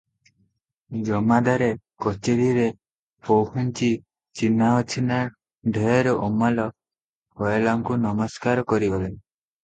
ଜମାଦାରେ କଚେରିରେ ପହୁଞ୍ଚି ଚିହ୍ନା ଅଚିହ୍ନା ଢେର ଅମଲା ଫଏଲାଙ୍କୁ ନମସ୍କାର କରିଗଲେ ।